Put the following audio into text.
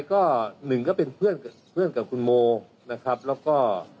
ก็หนึ่งก็เป็นเพื่อนกับคุณโมนะครับแล้วก็